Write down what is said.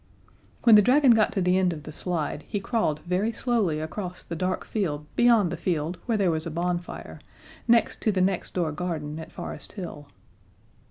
When the dragon got to the end of the slide he crawled very slowly across the dark field beyond the field where there was a bonfire, next to the next door garden at Forest Hill.